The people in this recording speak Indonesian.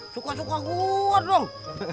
suka suka gua dong